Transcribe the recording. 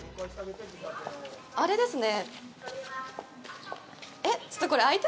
あれですね。